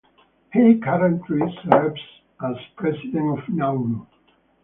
He currently serves as President of Nauru.